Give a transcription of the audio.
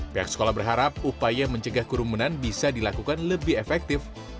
pihak sekolah berharap upaya mencegah kerumunan bisa dilakukan lebih efektif